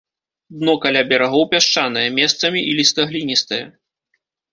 Дно каля берагоў пясчанае, месцамі іліста-гліністае.